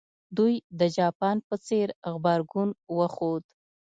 دوی د جاپان په څېر غبرګون وښود.